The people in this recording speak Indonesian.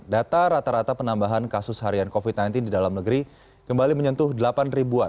data rata rata penambahan kasus harian covid sembilan belas di dalam negeri kembali menyentuh delapan ribuan